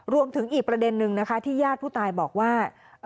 รวมถึงอีกประเด็นนึงที่ญาติผู้ตายบอกว่า